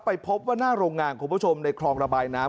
ไปพบว่าหน้าโรงงานคุณผู้ชมในคลองระบายน้ำ